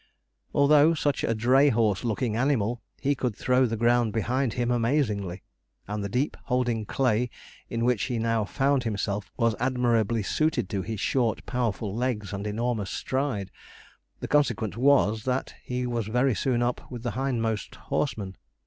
Although such a drayhorse looking animal, he could throw the ground behind him amazingly; and the deep holding clay in which he now found himself was admirably suited to his short, powerful legs and enormous stride. The consequence was, that he was very soon up with the hindmost horsemen.